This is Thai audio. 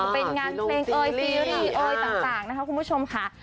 ไม่ว่าจะเป็นกับกับเฉลิน